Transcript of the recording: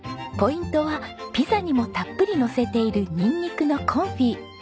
ポイントはピザにもたっぷりのせているニンニクのコンフィ。